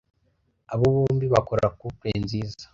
abo bombi bakora couple nziza